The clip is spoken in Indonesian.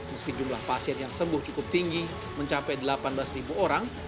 meski jumlah pasien yang sembuh cukup tinggi mencapai delapan belas orang